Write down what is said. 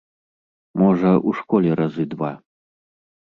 Можа, у школе разы два.